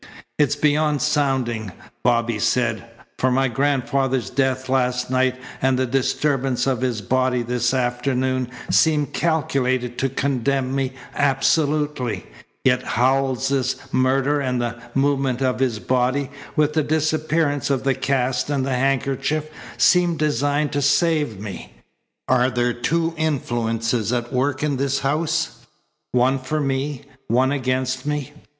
"It's beyond sounding," Bobby said, "for my grandfather's death last night and the disturbance of his body this afternoon seemed calculated to condemn me absolutely, yet Howells's murder and the movement of his body, with the disappearance of the cast and the handkerchief, seem designed to save me. Are there two influences at work in this house one for me, one against me?"